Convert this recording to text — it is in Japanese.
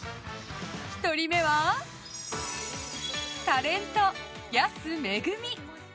１人目はタレント、安めぐみ。